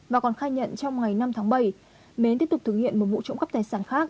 và còn khai nhận trong ngày năm tháng bảy mến tiếp tục thực hiện một vụ trộm cắp tài sản khác